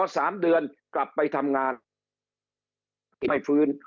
สามเดือนกลับไปทำงาน